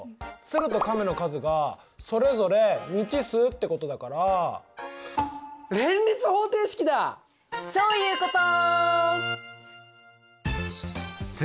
鶴と亀の数がそれぞれ未知数ってことだからそういうこと！